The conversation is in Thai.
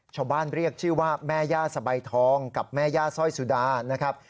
ชาวบ้านเรียกชื่อว่าแม่ย่าสบายทองกับแม่ย่าสร้อยสุดานะครับ